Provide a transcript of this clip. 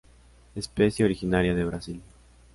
Especie originaria de Brasil.